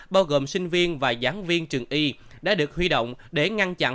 bao gồm sinh viên và giảng viên trường y đã được huy động để ngăn chặn